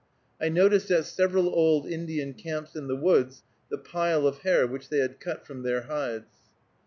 I noticed at several old Indian camps in the woods the pile of hair which they had cut from their hides.